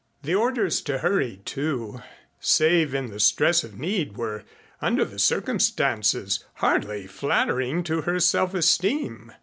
The orders to hurry, too, save in the stress of need, were under the circumstances hardly flattering to her self esteem.